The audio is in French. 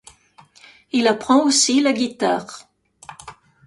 Il apprend aussi la guitare.